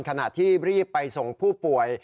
ขณะที่รีบไปส่งผู้ป่วย